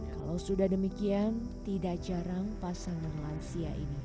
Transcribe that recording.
kalau sudah demikian tidak jarang pasang melansia ini